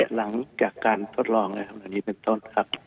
หลังจากการทดลองอันนี้เป็นต้นครับ